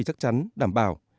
chắc chắn đảm bảo